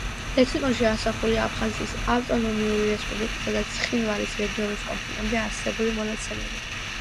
ლექსიკონში ასახულია აფხაზეთის ავტონომიური რესპუბლიკისა და ცხინვალის რეგიონის კონფლიქტამდე არსებული მონაცემები.